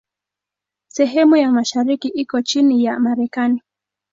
Sehemu ya mashariki iko chini ya Marekani.